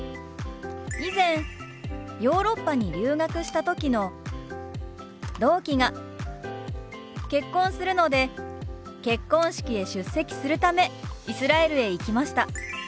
以前ヨーロッパに留学した時の同期が結婚するので結婚式へ出席するためイスラエルへ行きました。